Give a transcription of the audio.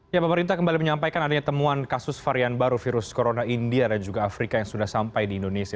ya pemerintah kembali menyampaikan adanya temuan kasus varian baru virus corona india dan juga afrika yang sudah sampai di indonesia